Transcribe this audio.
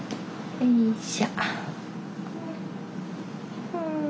よいしょ。